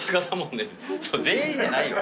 全員じゃないよ。